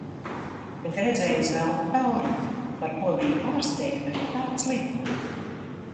Bet redzēju zelta tauriņu, par ko biju pārsteigta, ka tāds lido.